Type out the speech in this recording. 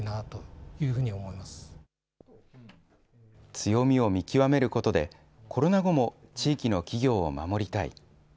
強みを見極めることで、コロナ後も地域の企業を守りたい。